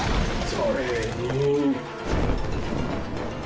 それに。